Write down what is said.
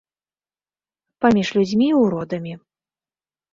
Паміж людзьмі і ўродамі.